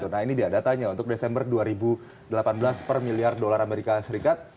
nah ini dia datanya untuk desember dua ribu delapan belas per miliar dolar amerika serikat